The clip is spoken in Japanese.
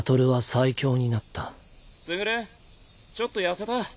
傑ちょっと痩せた？